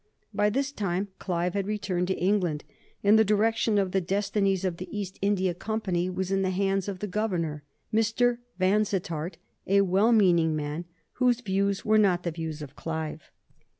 By this time Clive had returned to England, and the direction of the destinies of the East India Company was in the hands of the Governor, Mr. Vansittart, a well meaning man whose views were not the views of Clive.